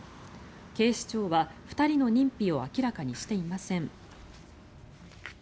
警視庁は２人の認否を明らかにしていません。